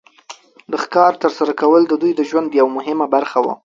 د ښکار تر سره کول د دوی د ژوند یو مهمه برخه وه.